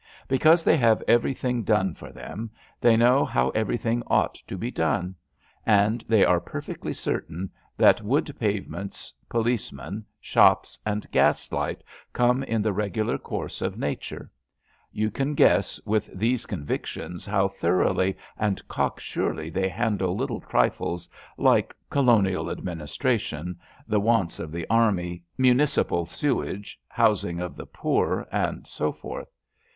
Because they have every thing done for them they know how everything ought to be done; and they are perfectly certain that wood pavements, policemen, shops and gas light come in the regular course of nature. You can guess with these convictions how thoroughly and cocksurely they handle little trifles like colo LETTERS ON LEAVE 203 nial administration, the wants of the army, munici pal sewage, housing of the poor, and so forth.